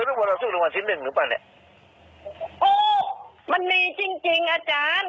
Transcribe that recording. เธอรู้ว่าเราสู้ลงมาชิ้นหนึ่งหรือเปล่าเนี้ยโอ้มันมีจริงจริงอาจารย์